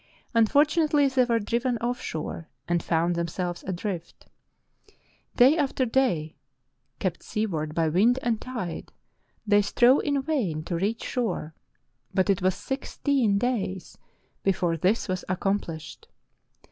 Unfortunately they were driven offshore and found themselves adrift. Day after day, kept sea ward by wind and tide, they strove in vain to reach shore, but it was sixteen days before this was accom plished.